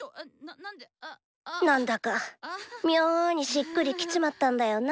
なんだか妙にしっくりきちまったんだよな。